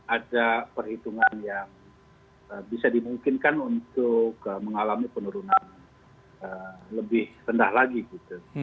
ada perhitungan yang bisa dimungkinkan untuk mengalami penurunan lebih rendah lagi gitu